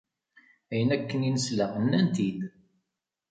Ayen akken i nesla nnan-t-id.